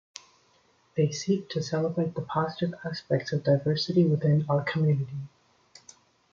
They seek to celebrate the positive aspects of diversity within our community.